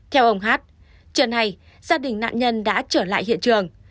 theo ông hát chân này gia đình nạn nhân đã trở lại hiện trường